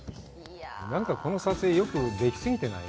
なんかこの撮影、よくでき過ぎてない？